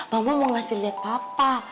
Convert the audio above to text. mama mau ngasih lihat papa